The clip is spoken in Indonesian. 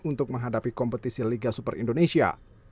untuk menghadapi kompetisi liga super indonesia